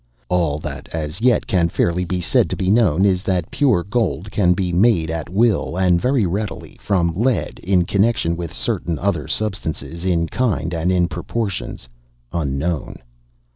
All that as yet can fairly be said to be known is, that 'Pure gold can be made at will, and very readily from lead in connection with certain other substances, in kind and in proportions, unknown.